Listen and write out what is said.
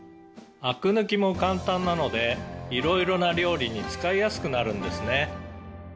「アク抜きも簡単なので色々な料理に使いやすくなるんですね」